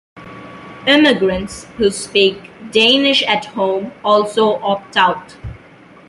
Immigrants who speak Danish at home also opt out.